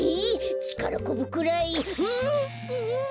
ちからこぶくらいフン！